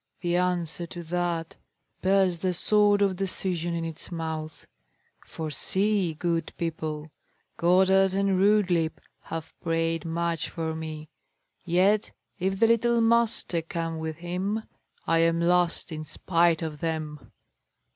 The answer to that bears the sword of decision in its mouth. For see, good people, Gotthard and Rudlieb have prayed much for me; yet if the little Master come with him, I am lost in spite of them."